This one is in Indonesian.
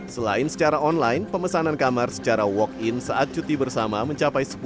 selain secara online pemesanan kamar secara walk in saat cuti bersama mencapai sepuluh